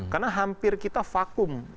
karena hampir kita vakum